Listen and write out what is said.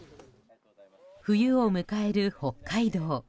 冬を迎える北海道。